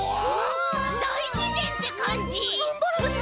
だいしぜんってかんじ！